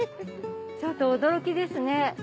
ちょっと驚きですね。